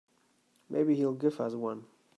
Maybe he'll give us one.